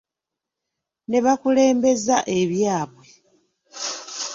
Ne bakulembeza ebyabwe.